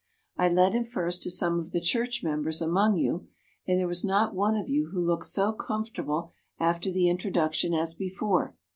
I led him first to some of the church members among you, and there was not one of you who looked so comfortable after the introduction as before.